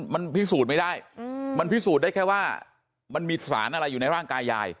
มันพิสูจน์ไม่ได้มันพิสูจน์ได้แค่ว่ามันมีสารอะไรอยู่ในร่างกายยาย